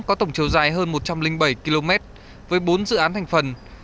có tổng chiều dài hơn một trăm linh bảy km với bốn dự án thành phần